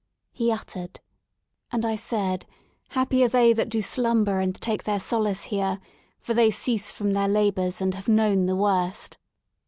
He uttered : And I said: Happy are they that do slumber and take their solace here For they cease from their labours and have known the worst.